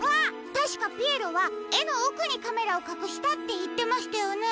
たしかピエロは「えのおくにカメラをかくした」っていってましたよね。